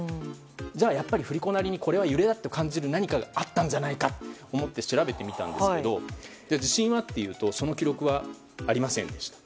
じゃあやっぱり振り子なりにこれは揺れだと感じる何かがあったんじゃないかと思って調べてみたんですけど地震はというとその記録はありませんでした。